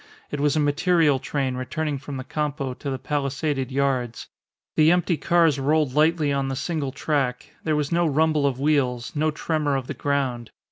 It was a material train returning from the Campo to the palisaded yards. The empty cars rolled lightly on the single track; there was no rumble of wheels, no tremor of the ground.